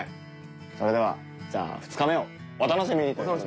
それではじゃあ２日目をお楽しみにという事で。